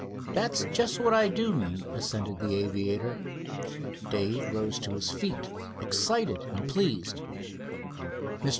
"That's just what I do mean," assented the aviator. Dave rose to his feet, excited and pleased. "Mr.